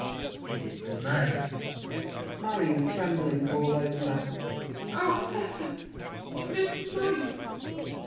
It is to night. MARION (trembling all over). Oh, heaven! this night!